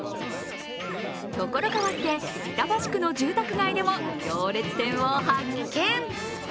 ところ変わって、板橋区の住宅街でも行列店を発見。